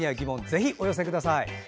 ぜひお寄せください。